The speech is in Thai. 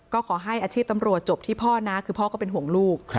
ก็ขอให้อาชีพตำรวจจบที่พ่อนะคือพ่อก็เป็นห่วงลูก